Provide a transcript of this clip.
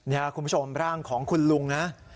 นี่คุณผู้ชมร่างของคุณลุงนะ